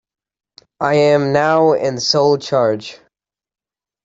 I am now in sole charge.